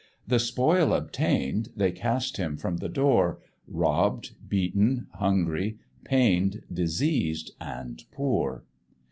The spoil obtain'd they cast him from the door, Robb'd, beaten, hungry, pain'd, diseas'd, and poor.